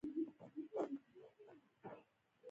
ټول له منځه یووړ، په هغه ځای کې چې ځنګل ولاړ و.